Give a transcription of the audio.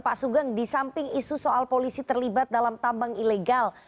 pak sugeng disamping isu soal polisi terlibat dalam tabang ilegal